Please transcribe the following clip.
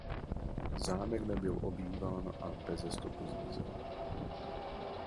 Zámek nebyl obýván a beze stopy zmizel.